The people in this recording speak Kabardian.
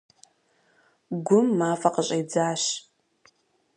Гум мафӏэ къыщӏидзащ.